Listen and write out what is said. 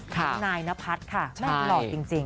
นายนพัฒน์ค่ะแม่หล่อจริง